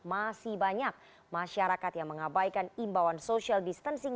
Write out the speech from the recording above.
masih banyak masyarakat yang mengabaikan imbauan social distancing